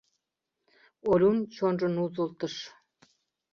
Олюн чонжо нузылтыш.